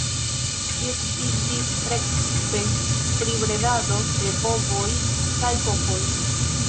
Li okupiĝis precipe pri bredado de bovoj kaj kokoj.